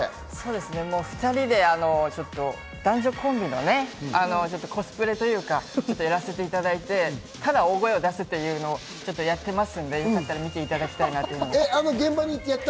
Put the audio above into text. ２人で男女コンビのコスプレというか、やらせていただいて、ただ大声を出すっていうのをやってますので、よかったら見ていただきたいなと思います。